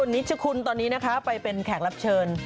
นิชคุณตอนนี้นะคะไปเป็นแขกรับเชิญ